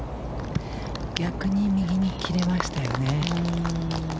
逆に右に切れましたよね。